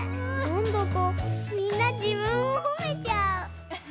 なんだかみんなじぶんをほめちゃう。